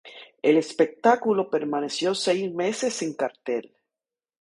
El espectáculo permaneció seis meses en cartel.